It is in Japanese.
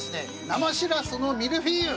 生しらすのミルフィーユ！